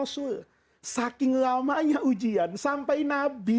saking lamanya ujian sampai nabi